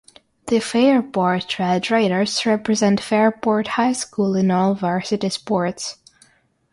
The Fairport Red Raiders represent Fairport High School in all varsity sports.